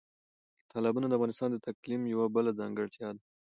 تالابونه د افغانستان د اقلیم یوه بله ځانګړتیا ده.